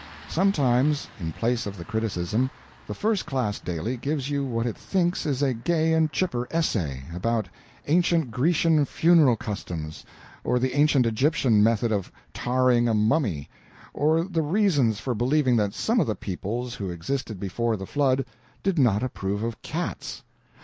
Sometimes, in place of the criticism, the first class daily gives you what it thinks is a gay and chipper essay about ancient Grecian funeral customs, or the ancient Egyptian method of tarring a mummy, or the reasons for believing that some of the peoples who existed before the flood did not approve of cats.